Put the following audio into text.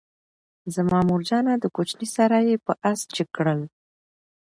زما مورجانه دکوچنی سره یې پر آس جګ کړل،